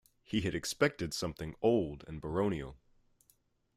He had expected something old and baronial.